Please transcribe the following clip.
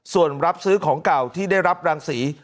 ส่วนรับซื้อของเก่าที่ได้รับรังสี